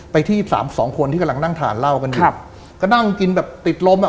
ไปที่สามสองคนที่กำลังนั่งทานเหล้ากันอยู่ครับก็นั่งกินแบบติดลมอ่ะ